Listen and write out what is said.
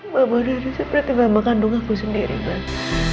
mama udah seperti mama kandung aku sendiri mama